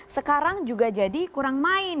sekarang juga jadi kurang main